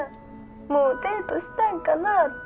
もうデートしたんかなって。